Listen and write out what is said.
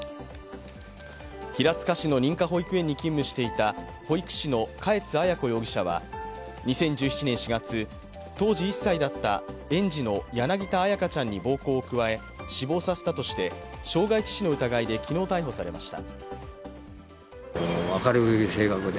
平塚市の認可保育園に勤務していた保育士の嘉悦彩子容疑者は２０１７年４月、当時１歳だった園児の柳田彩花ちゃんに暴行を加え死亡させたとして傷害致死の疑いで昨日逮捕されました。